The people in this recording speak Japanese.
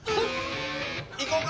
いこうか。